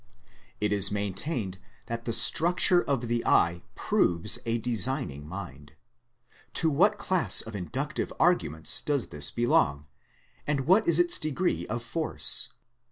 It is maintained that the structure of the eye proves a designing mind. To what class of inductive arguments does this belong ? and what is its degree of force